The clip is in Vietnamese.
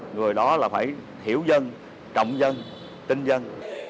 người đó là phải hiểu dân trọng dân